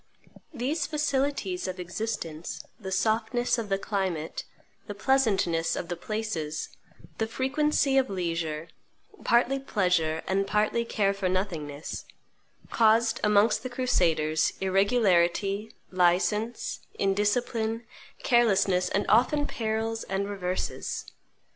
These facilities of existence, the softness of the climate, the pleasantness of the places, the frequency of leisure, partly pleasure and partly care for nothingness, caused amongst the crusaders irregularity, license, indiscipline, carelessness, and often perils and reverses.